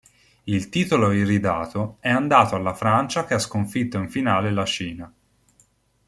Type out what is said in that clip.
Il titolo iridato è andato alla Francia che ha sconfitto in finale la Cina.